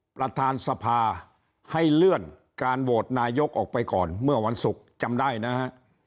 ประธานสภาให้เลื่อนการโหวตนายกออกไปก่อนเมื่อวันศุกร์จำได้นะฮะ